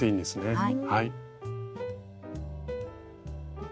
はい。